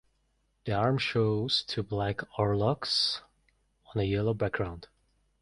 The arms shows two black oarlocks on a yellow background.